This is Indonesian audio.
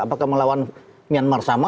apakah melawan myanmar sama